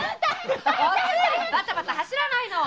バタバタ走らないの！